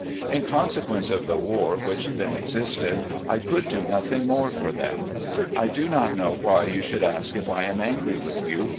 In consequence of the war which then existed, I could do nothing more for them. I do not know why you should ask if I am angry with you.